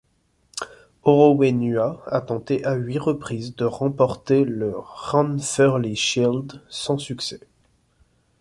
Horowhenua a tenté à huit reprises de remporter le Ranfurly Shield, sans succès.